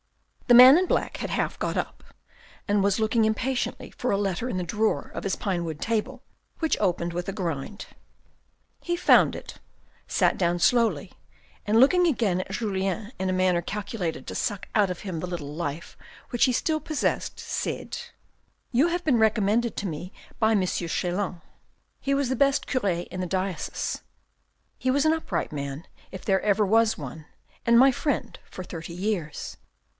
The man in black had half got up, and was looking impatiently for a letter in the drawer of his pinewood table, which opened with a grind. He found it, sat down slowly, and looking again at Julien in a manner calculated to suck out of him the little life which he still possessed, said, " You have been recommended to me by M. Chelan. He was the best cure in the diocese ; he was an upright man if there ever was one, and my friend for thirty years."